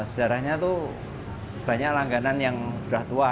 sejarahnya itu banyak langganan yang sudah tua